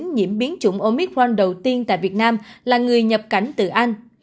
nhiễm biến chủng omitron đầu tiên tại việt nam là người nhập cảnh từ anh